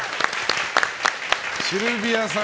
シルビアさん